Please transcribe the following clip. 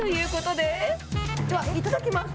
ではいただきます。